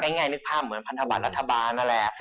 ง่ายนึกภาพเหมือนพันธบัตรรัฐบาลนั่นแหละ